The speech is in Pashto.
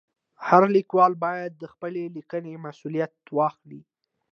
هر لیکوال باید د خپلې لیکنې مسؤلیت واخلي.